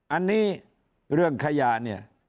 อันนี้เรื่องขยะเนี่ย